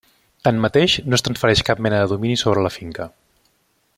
Tanmateix no es transfereix cap mena de domini sobre la finca.